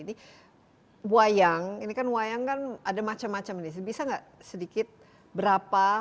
ini wayang ini kan wayang kan ada macam macam ini bisa nggak sedikit berapa